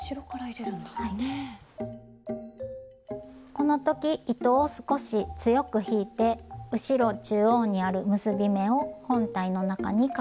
この時糸を少し強く引いて後ろ中央にある結び目を本体の中に隠して下さいね。